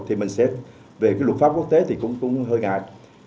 thì mình sẽ về cái luật pháp quốc tế thì cũng hơi ngại